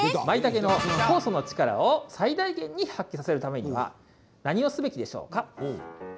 まいたけの酵素の力を最大限に発揮させるためには何をすべきでしょうか？